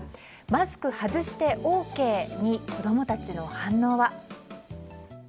マスク外してＯＫに子供たちの反応は。